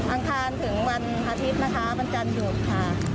อังคารถึงวันอาทิตย์นะคะวันจันทร์หยุดค่ะ